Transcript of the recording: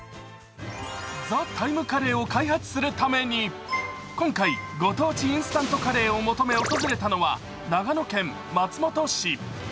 カレーを開発するために、今回ご当地インスタントカレーを求め訪れたのは長野県松本市。